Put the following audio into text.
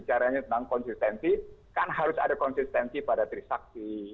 caranya tentang konsistensi kan harus ada konsistensi pada trisakti